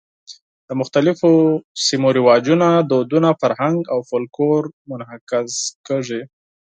د مختلفو سیمو رواجونه، دودونه، فرهنګ او فولکلور منعکس کېږي.